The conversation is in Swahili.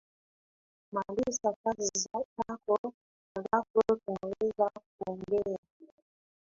Maliza kazi yako alafu tunaweza kuongea